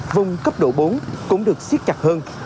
vùng cấp độ bốn cũng được xiết chặt hơn